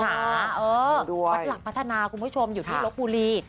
วัดหลักพัฒนาคุณผู้ชมอยู่ที่ลบบุรี